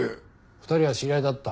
２人は知り合いだった。